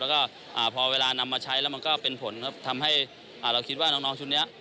แล้วก็พอเวลานำมาใช้แล้วมันก็เป็นผลครับทำให้เราคิดว่าน้องชุดนี้